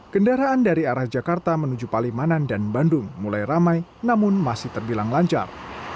kendaraan dari arah jakarta menuju palimanan dan bandung mulai ramai namun masih terbilang lancar